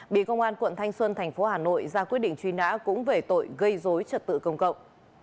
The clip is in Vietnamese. bị công an quận thanh xuân thành phố hà nội ra quyết định truy nã cũng về tội gây dối trật tự công cộng